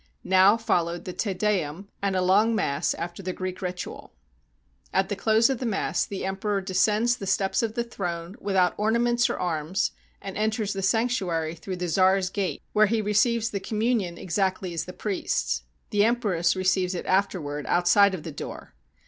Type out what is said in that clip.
Now followed the " Te Deum" and the long mass after the Greek ritual. At the close of the mass, the emperor descends the steps of the throne without ornaments or arms, and enters the sanctuary through the czar's gate, where he 206 THE CORONATION OF ALEXANDER II receives the communion exactly as the priests. The em press receives it afterward outside of the door.